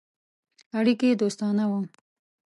اړیکي دوستانه وه.